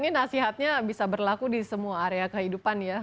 ini nasihatnya bisa berlaku di semua area kehidupan ya